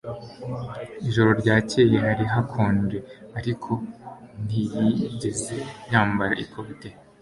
Ijoro ryakeye hari hakonje, ariko ntiyigeze yambara ikote.